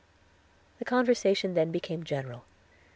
The conversation then became general.